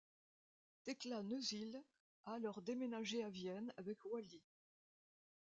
Thekla Neuzil a alors déménagé à Vienne avec Wally.